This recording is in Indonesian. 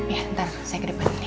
ya ntar saya ke depan ini ya